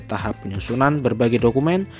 tahap penyusunan berbagai dokumen